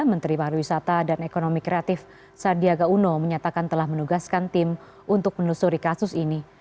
menteri pariwisata dan ekonomi kreatif sandiaga uno menyatakan telah menugaskan tim untuk menelusuri kasus ini